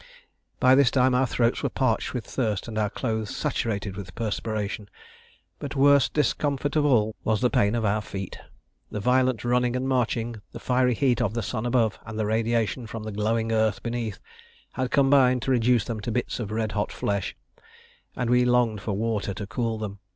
By this time our throats were parched with thirst and our clothes saturated with perspiration; but worst discomfort of all was the pain of our feet. The violent running and marching, the fiery heat of the sun above, and the radiation from the glowing earth beneath, had combined to reduce them to bits of red hot flesh, and we longed for water to cool them.